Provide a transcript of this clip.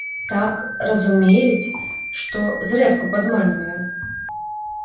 Так, разумеюць, што зрэдку падманвае.